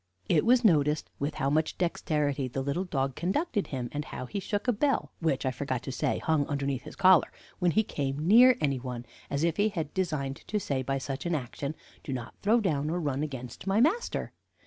"It was noticed with how much dexterity the little dog conducted him, and how he shook a bell, which, I forgot to say, hung underneath his collar, when he came near any one, as if he had designed to say by such an action, 'Do not throw down or run against my master.'